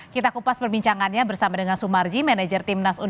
kita kupas perbincangannya bersama dengan sumarji manajer timnas u dua puluh